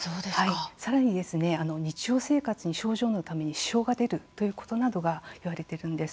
さらに日常生活に症状のために支障が出るということなども言われているんです。